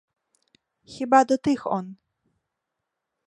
Хіба до тих он?